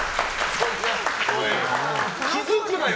気づくなよ！